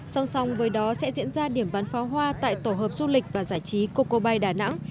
song song với đó sẽ diễn ra điểm bán pháo hoa tại tổ hợp du lịch và giải trí coco bay đà nẵng